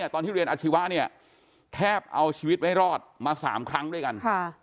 ตอนที่เรียนอาชีวะเนี่ยแทบเอาชีวิตไม่รอดมา๓ครั้งด้วยกัน